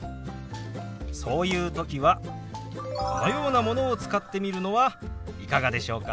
そういう時はこのようなものを使ってみるのはいかがでしょうか。